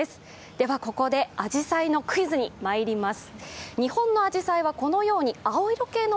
では、ここであじさのいクイズにまいります。